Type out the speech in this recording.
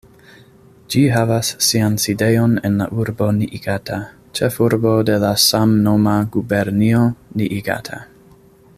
Ĝi havas sian sidejon en la urbo Niigata, ĉefurbo de la samnoma gubernio Niigata.